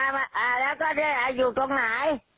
เป็นไรครับยายเป็นไร